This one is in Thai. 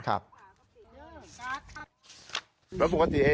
ตามอืมชาวบ้านให้ข้อมูลแบบนี้นะคะ